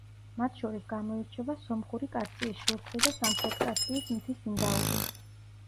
მათ შორის გამოირჩევა: სომხური კასპიის შურთხი და სამხრეთ კასპიის მთის ინდაური.